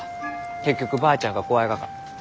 結局ばあちゃんが怖いがか？